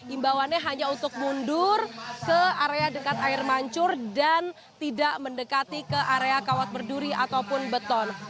imbauannya hanya untuk mundur ke area dekat air mancur dan tidak mendekati ke area kawat berduri ataupun beton